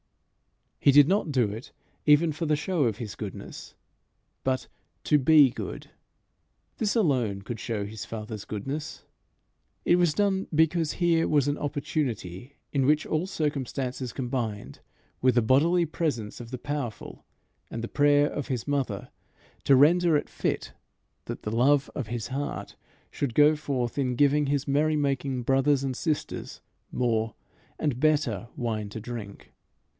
He did not do it even for the show of his goodness, but to be good. This alone could show his Father's goodness. It was done because here was an opportunity in which all circumstances combined with the bodily presence of the powerful and the prayer of his mother, to render it fit that the love of his heart should go forth in giving his merry making brothers and sisters more and better wine to drink.